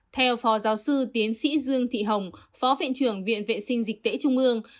theo phó giáo sư tiến sĩ dương thị hồng phó viện trưởng viện vệ sinh dịch tễ trung ương